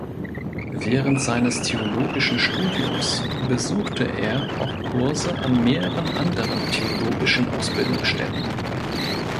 Während seines theologischen Studiums besuchte er auch Kurse an mehreren anderen theologischen Ausbildungsstätten.